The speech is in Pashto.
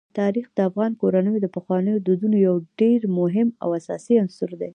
تاریخ د افغان کورنیو د پخوانیو دودونو یو ډېر مهم او اساسي عنصر دی.